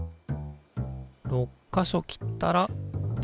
６か所切ったらできた！